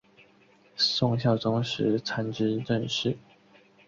宋孝宗时参知政事。